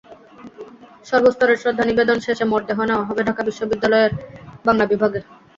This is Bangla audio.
সর্বস্তরের শ্রদ্ধা নিবেদন শেষে মরদেহ নেওয়া হবে ঢাকা বিশ্ববিদ্যালয়ের বাংলা বিভাগে।